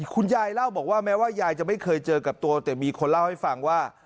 คุณยายเล่าบอกว่าแม้ว่ายายจะไม่เคยเจอกับตัวแต่มีคนเล่าให้ฟังว่า